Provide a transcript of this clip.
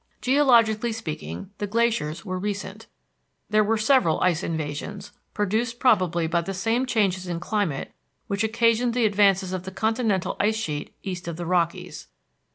Geologically speaking, the glaciers were recent. There were several ice invasions, produced probably by the same changes in climate which occasioned the advances of the continental ice sheet east of the Rockies.